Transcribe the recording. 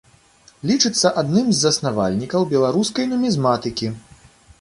Лічыцца адным з заснавальнікаў беларускай нумізматыкі.